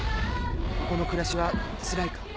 ここの暮らしはつらいか？